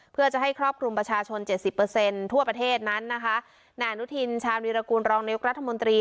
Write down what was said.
เพื่อจะให้ครอบคลุมประชาชนเจ็ดสิบเปอร์เซ็นต์ทั่วประเทศนั้นนะคะนายอนุทินชาญวีรกูลรองนายกรัฐมนตรี